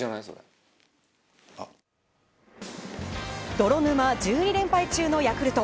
泥沼１２連敗中のヤクルト。